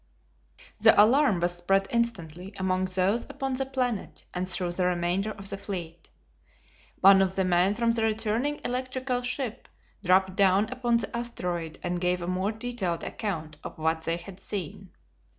The alarm was spread instantly among those upon the planet and through the remainder of the fleet. One of the men from the returning electrical ship dropped down upon the asteroid and gave a more detailed account of what they had seen.